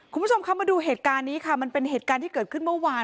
คุณผู้ชมคะมาดูเหตุการณ์นี้ค่ะมันเป็นเหตุการณ์ที่เกิดขึ้นเมื่อวาน